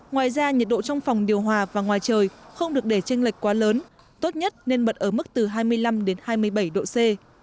ngoài ra nhiệt độ trong phòng điều hòa và ngoài trời không được để tranh lệch quá lớn tốt nhất nên bật ở mức từ hai mươi năm đến hai mươi bảy độ c